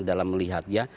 dalam melihat ya